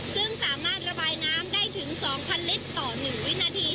ซึ่งสามารถระบายน้ำได้ถึง๒๐๐ลิตรต่อ๑วินาที